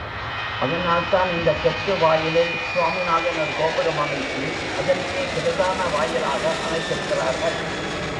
அதனால் தான் இந்தத் தெற்கு வாயிலில் சுவாமிநாதன் ஒரு கோபுரம் அமைத்து அதனையே பிரதான வாயிலாக அமைத்திருக்கிறார்கள்.